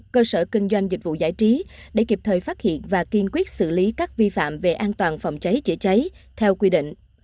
cơ sở kinh doanh dịch vụ giải trí để kịp thời phát hiện và kiên quyết xử lý các vi phạm về an toàn phòng cháy chữa cháy theo quy định